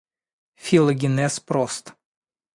Филогенез прост.